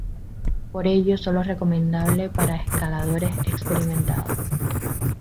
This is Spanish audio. Por ello sólo es recomendable para escaladores experimentados.